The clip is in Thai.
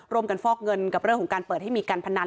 ฟอกเงินกับเรื่องของการเปิดให้มีการพนัน